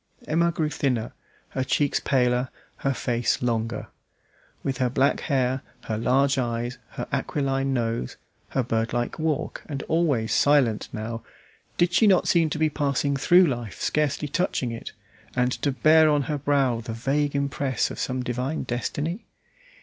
Emma grew thinner, her cheeks paler, her face longer. With her black hair, her large eyes, her aquiline nose, her birdlike walk, and always silent now, did she not seem to be passing through life scarcely touching it, and to bear on her brow the vague impress of some divine destiny?